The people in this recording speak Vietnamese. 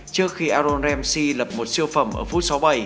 trước khi aaron ramsey lập một siêu phẩm ở phút sáu mươi bảy